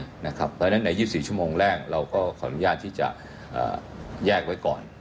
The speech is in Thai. เพราะฉะนั้นใน๒๔ชั่วโมงแรกเราก็ขออนุญาตที่จะแยกไว้ก่อน